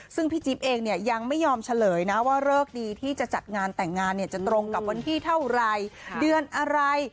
ซึ่งพี่จิ๊บเองเนี่ยยังไม่ยอมเฉลยนะว่าเลิกดีที่จะจัดงานแต่งงานเนี่ยจะตรงกับวันที่เท่าไรเดือนอะไร